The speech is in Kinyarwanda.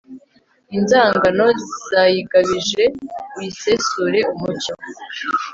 inzangano zayigabije, uyisesure umucyo